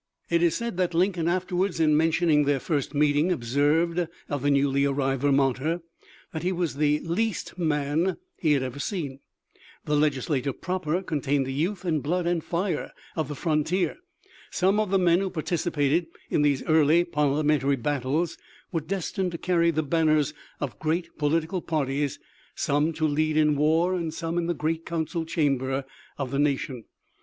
It is said that Lincoln afterwards in mentioning their first meeting observed of the newly arrived Ver monter that he was the " least man he had ever seen." The Legislature proper contained the youth and blood and fire of the frontier. Some of the men who participated in these early parliament ary battles were destined to carry the banners of great political parties, some to lead in war and some in the great council chamber of the nation.